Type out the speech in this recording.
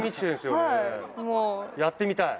やってみたい？